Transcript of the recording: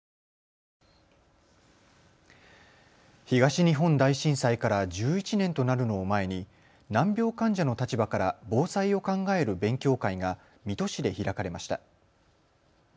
東日本大震災から１１年となるのを前に難病患者の立場から防災を考える勉強会が水戸市で開かれました。